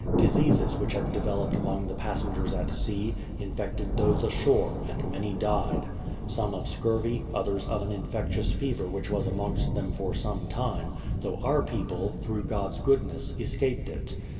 Diseases which had developed among the passengers at sea, infected those ashore, and many died ; some of scurvy, others of an infec tious fever which was amongst them for some time, though our people, through God's goodness, escaped it.